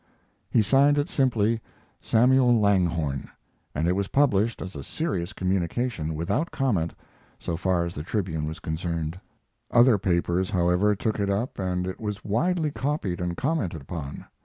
He signed it simply "Samuel Langhorne," and it was published as a serious communication, without comment, so far as the Tribune was concerned. Other papers, however, took it up and it was widely copied and commented upon.